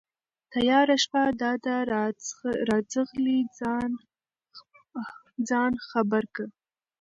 تياره شپه دا ده راځغلي ځان خبر كه